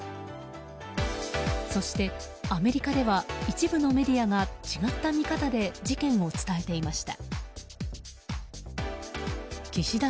そして、アメリカでは一部のメディアが違った見方で事件を伝えていました。